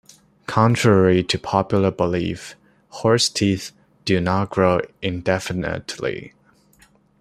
Contrary to popular belief, horse teeth do not "grow" indefinitely.